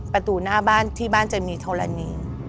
ประตูหน้าบ้านที่บ้านจะมีธรณี